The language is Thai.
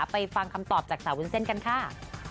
ฟังคำตอบจากสาววุ้นเส้นกันค่ะ